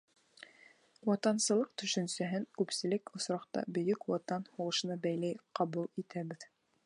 Ватансылыҡ төшөнсәһен күпселек осраҡта Бөйөк Ватан һуғышына бәйле ҡабул итәбеҙ.